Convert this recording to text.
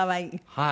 はい。